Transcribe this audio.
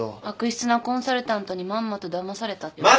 悪質なコンサルタントにまんまとだまされたって。